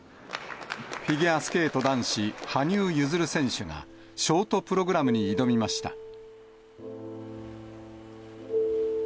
フィギュアスケート男子、羽生結弦選手が、ショートプログラムに挑みました。